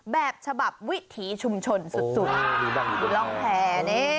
แบบฉบับวิถีชุมชนสุดดูล้องแผน